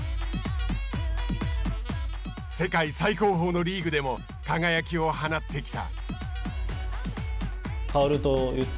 世界最高峰のリーグでも輝きを放ってきた。